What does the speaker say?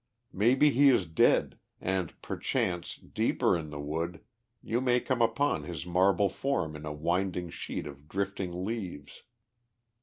Maybe he is dead, and perchance, deeper in the wood, you may come upon his marble form in a winding sheet of drifting leaves.